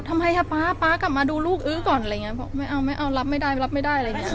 ทำไมคะป๊าป๊ากลับมาดูลูกอื้อก่อนอะไรอย่างเงี้บอกไม่เอาไม่เอารับไม่ได้รับไม่ได้อะไรอย่างเงี้